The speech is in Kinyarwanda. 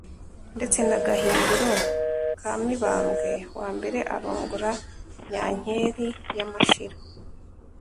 ndetse na Gahindiro ka Mibambwe I arongora Nyankeli ya Mashira